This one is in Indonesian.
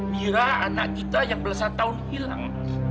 mira anak kita yang belasan tahun hilang